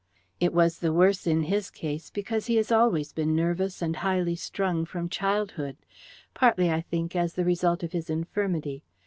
"It was the worse in his case because he has always been nervous and highly strung from childhood partly, I think, as the result of his infirmity.